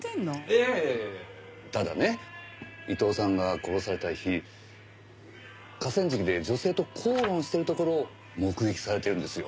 いやいやただね伊藤さんが殺された日河川敷で女性と口論しているところを目撃されてるんですよ。